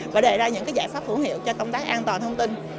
và đề ra những giải pháp hữu hiệu cho công tác an toàn thông tin